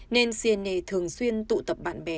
nên siene thường xuyên tụ tập bạn bè